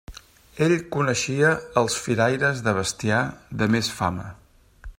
Ell coneixia els firaires de bestiar de més fama.